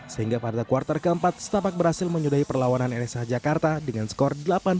sehingga pada kuartal keempat setapak berhasil menyudahi perlawanan nsh jakarta dengan skor delapan puluh lima enam puluh dua